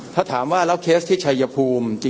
ถ้าถามว่าแล้วเคสที่ชัยภูมิ